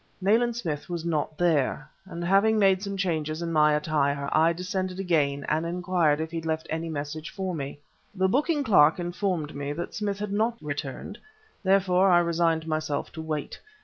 Nayland Smith was not there, and having made some changes in my attire I descended again and inquired if he had left any message for me. The booking clerk informed me that Smith had not returned; therefore I resigned myself to wait.